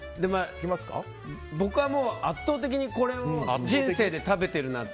僕はもう、圧倒的にこれを人生で食べてるなって。